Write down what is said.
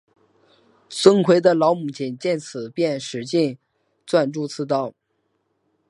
孙奎的老母亲见此便使劲攥住刺刀。